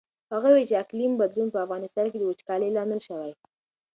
هغه وویل چې د اقلیم بدلون په افغانستان کې د وچکالۍ لامل شوی.